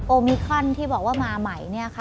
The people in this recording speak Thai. โอมิคอนที่บอกว่ามาใหม่ค่ะ